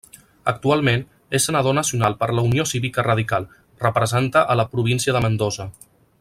Actualment és Senador Nacional per la Unió Cívica Radical, representa a la Província de Mendoza.